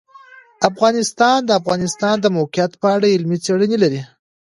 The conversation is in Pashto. افغانستان د د افغانستان د موقعیت په اړه علمي څېړنې لري.